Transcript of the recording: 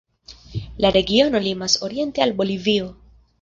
La regiono limas oriente al Bolivio.